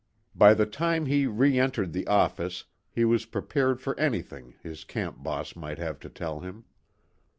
By the time he reëntered the office he was prepared for anything his "camp boss" might have to tell him.